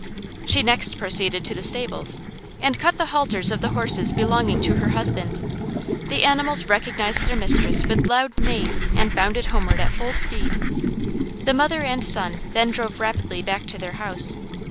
She next proceeded to the stables and cut the halters of the horses belonging to her husband: the animals recognized their mistress with loud neighs and bounded homeward at full speed. The mother and son then drove rapidly back to their house.